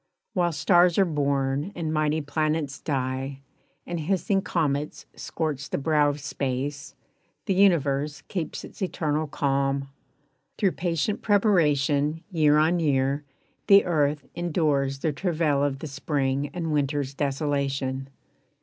While stars are born and mighty planets die And hissing comets scorch the brow of space The Universe keeps its eternal calm. Through patient preparation, year on year, The earth endures the travail of the Spring And Winter's desolation.